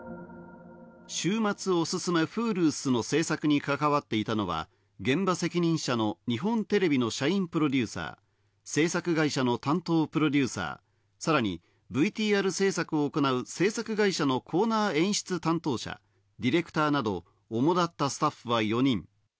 「週末オススメＨｕｌｕッス」の制作に関わっていたのは現場責任者の日本テレビの社員プロデューサー、制作会社の担当プロデューサー、さらにＶＴＲ制作を行う制作会社のコーナー演出担当者、ディレクターなど、おもだったスタッフは４人。